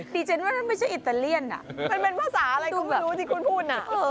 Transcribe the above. ดิฉันว่านั่นไม่ใช่อิตาเลียนมันเป็นภาษาอะไรก็ไม่รู้ที่คุณพูดน่ะ